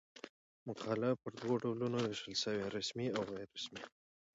مقاله پر دوه ډولونو وېشل سوې؛ رسمي او غیري رسمي.